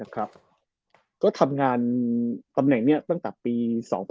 นะครับก็ทำงานตำแหน่งนี้ตั้งแต่ปี๒๐๑๙